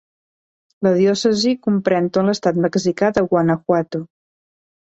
La diòcesi comprèn tot l'estat mexicà de Guanajuato.